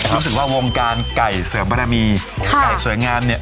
รู้สึกว่าวงการไก่เสริมบารมีไก่สวยงามเนี่ย